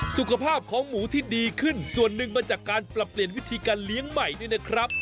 สุขภาพของหมูที่ดีขึ้นส่วนหนึ่งมาจากการปรับเปลี่ยนวิธีการเลี้ยงใหม่ด้วยนะครับ